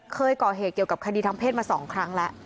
เคยก่อเหตุเกี่ยวกับคดีทางเพศมา๒ครั้งแล้ว